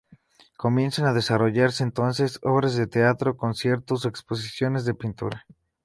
Comienzan a desarrollarse entonces obras de teatro, conciertos o exposiciones de pintura.